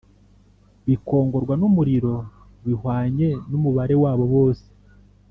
Bikongorwa n umuriro bihwanye n umubare wabo bose